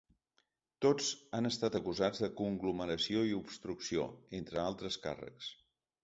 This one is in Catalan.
Tots han estat acusats de conglomeració i obstrucció, entre altres càrrecs.